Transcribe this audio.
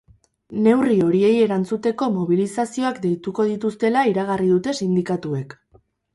Neurri horiei erantzuteko mobilizazioak deituko dituztela iragarri dute sindikatuek.